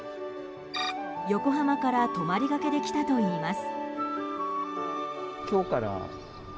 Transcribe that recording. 横浜から泊まりがけで来たといいます。